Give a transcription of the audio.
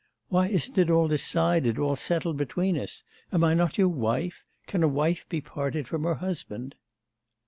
Why isn't it all decided, all settled between us? Am I not your wife? Can a wife be parted from her husband?